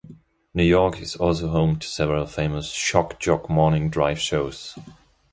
New York is also home to several famous "shock jock" morning drive shows.